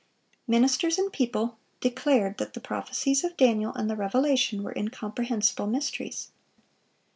Ministers and people declared that the prophecies of Daniel and the Revelation were incomprehensible mysteries.